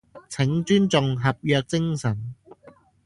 請尊重合約精神